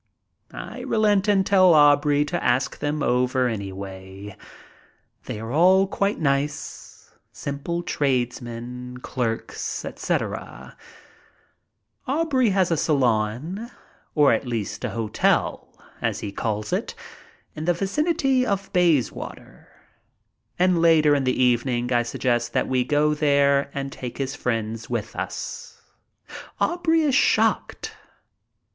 I relent and tell Aubrey to ask them over, anyway. They are all quite nice, simple tradesmen, clerks, etc. ♦ Aubrey has a saloon, or at least a hotel, as he calls it, in the vicinity of Bayswater, and later in the evening I suggest that we go there and take his friends with us. Aubrey is shocked.